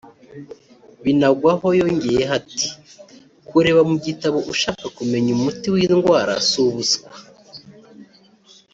Binagwaho yongeyeho ati ”Kureba mu gitabo ushaka kumenya umuti w’indwara si ubuswa